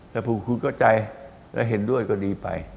ถ้าคุณเข้าใจและเห็นด้วยก็ดีไป